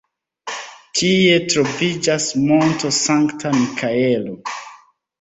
Tie troviĝas Monto Sankta Mikaelo.